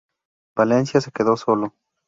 Valencia se quedó solo.